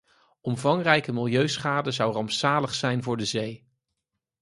Omvangrijke milieuschade zou rampzalig zijn voor de zee.